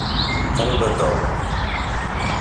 Qṛib ad taweḍ.